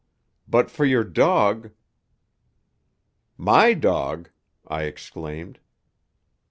But for your dog " "My dog!" I exclaimed.